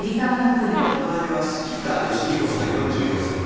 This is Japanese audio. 名前は式田芳彦さん４４歳。